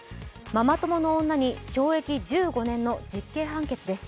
ママ友の女に懲役１５年の実刑判決です。